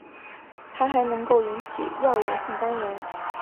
它还能够引起药源性肝炎。